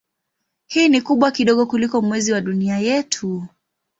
Hii ni kubwa kidogo kuliko Mwezi wa Dunia yetu.